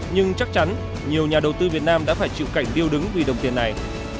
nhưng chắc chắn nhiều nhà đầu tư việt nam đã phải chịu cảnh điêu đứng vì đồng tiền này